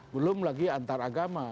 belum lagi antaragama